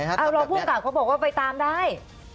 เราพูดก่อนเขาบอกว่าไปตามได้